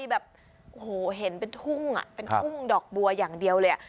แบบโอ้โหเห็นเป็นทุ่งเป็นทุ่งดอกบัวอย่างเดียวเลย